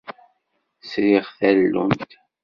Sriɣ tallunt.